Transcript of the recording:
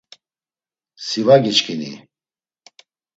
Si va giçkini?